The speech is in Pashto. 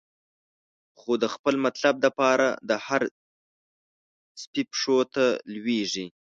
خو د خپل مطلب د پاره، د هر سپی پښو ته لویږی